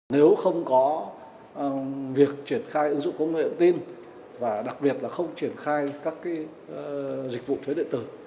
nếu không có việc triển khai ứng dụng công nghệ ứng tin và đặc biệt là không triển khai các dịch vụ thuế điện tử